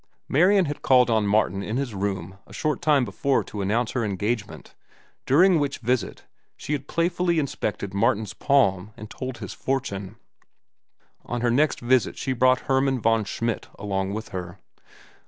Marian had called on Martin in his room a short time before to announce her engagement, during which visit she had playfully inspected Martin's palm and told his fortune. On her next visit she brought Hermann von Schmidt along with her.